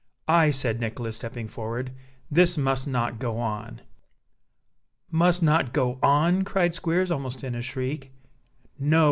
"I," said Nicholas, stepping forward. "This must not go on." "Must not go on!" cried Squeers, almost in a shriek. "No!"